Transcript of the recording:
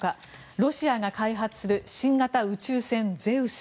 ロシアが開発する新型宇宙船ゼウス。